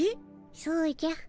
そうじゃ。